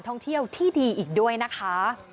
ท่องเที่ยวที่ดีอีกด้วยนะคะ